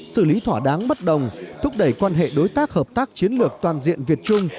xử lý thỏa đáng bất đồng thúc đẩy quan hệ đối tác hợp tác chiến lược toàn diện việt trung